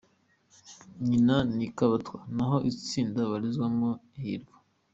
Nyina ni Kabatwa naho itsinda abarizwamo ni Hirwa.